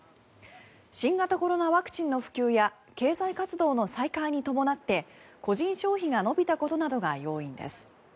新型コロナワクチンの普及や経済活動の再開に伴って個人消費が伸びたことなどが要因です。